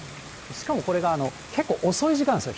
しかもこれが、結構遅い時間なんですよ。